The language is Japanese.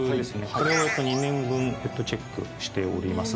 これを２年分チェックしております